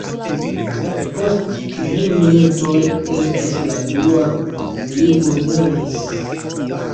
Post kvin minutoj estos la dua, li murmuris.